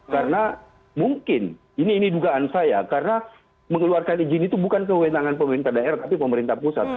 karena mungkin ini dugaan saya karena mengeluarkan izin itu bukan kewenangan pemerintah daerah tapi pemerintah kusat